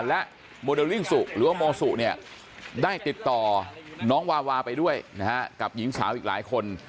และโมเดลลิ่งสุหรือว่าโมสุเนี่ยได้ติดต่อน้องวาวาไปด้วยนะฮะกับหญิงสาวอีกหลายคน